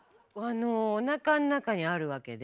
おなかの中にあるわけで。